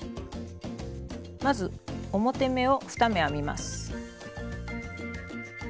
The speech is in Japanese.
まず表目を２目編みます。